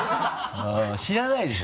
知らないでしょ？